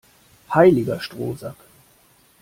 Heiliger Strohsack!